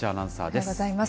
おはようございます。